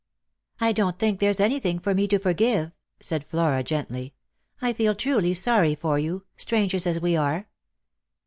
" I don't think there's anything for me to forgive," said Flora gently ;" I feel truly sorry for you, strangers as we are."